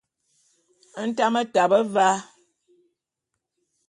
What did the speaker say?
Ntame tabe va.